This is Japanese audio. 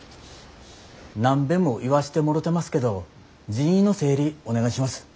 何べんも言わしてもろてますけど人員の整理お願いします。